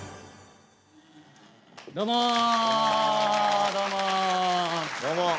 どうも。